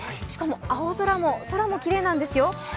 しかも、青空も、空もきれいなんですよ。